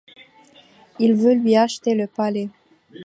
Il veut lui acheter le palais.